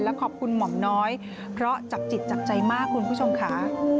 ขอบคุณหม่อมน้อยเพราะจับจิตจับใจมากคุณผู้ชมค่ะ